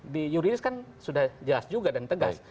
di yuridis kan sudah jelas juga dan tegas